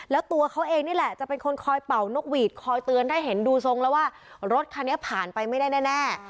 แล้วตัวเขาเองนี่แหละจะเป็นคนคอยเป่านกหวีดคอยเตือนให้เห็นดูทรงแล้วว่ารถคันนี้ผ่านไปไม่ได้แน่